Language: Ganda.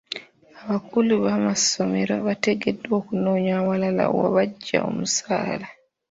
Abakulu b'amasomero bateekeddwa okunoonya awalala we baggya omusaala.